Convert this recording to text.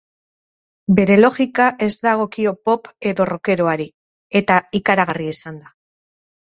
Bere logika ez dagokio pop edo rockekoari, eta ikaragarria izan da.